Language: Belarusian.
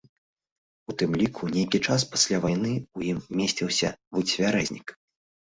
У тым ліку нейкі час пасля вайны ў ім месціўся выцвярэзнік.